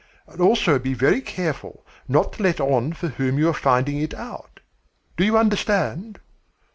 And also be very careful not to let on for whom you are finding it out. Do you understand?'